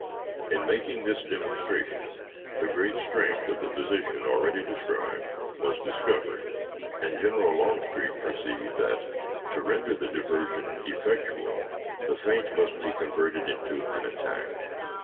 In making this demonstration, the great strength of the position already described was discovered, and General Longstreet perceived that, to render the diversion effectual, the feint must be converted into an attack.